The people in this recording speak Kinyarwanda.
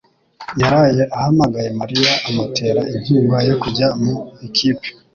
yaraye ahamagaye Mariya amutera inkunga yo kujya mu ikipe. .